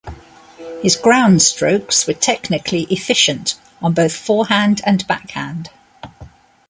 His groundstrokes were technically efficient on both forehand and backhand.